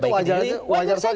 dan itu wajar saja ya pak said